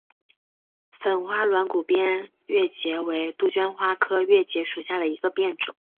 粉花软骨边越桔为杜鹃花科越桔属下的一个变种。